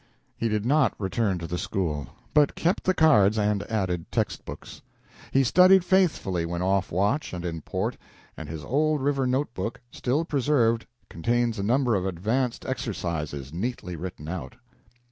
He did not return to the school, but kept the cards and added text books. He studied faithfully when off watch and in port, and his old river note book, still preserved, contains a number of advanced exercises, neatly written out.